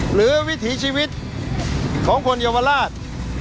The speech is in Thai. วิถีชีวิตของคนเยาวราช